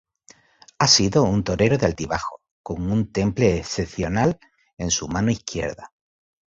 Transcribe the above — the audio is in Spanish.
Ha sido un torero de altibajos, con un temple excepcional en su mano izquierda.